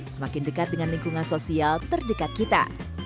semakin dekat dengan lingkungan sosial terdekat kita